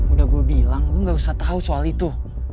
udah gue bilang lo gak usah tau soal itu